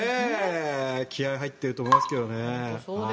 気合が入ってると思いますけどね。